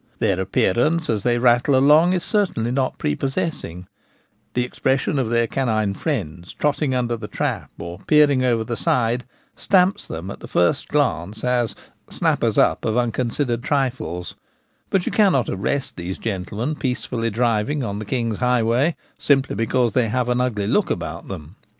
Their appearance as they rattle along is certainly not prepossessing ; the expression of their canine friends trotting under the trap, or peer ing over the side, stamps them at the first glance as ' snappers up of unconsidered trifles ;' but you cannot arrest these gentlemen peacefully driving on the 'king's highway* simply because they have an ugly look about them.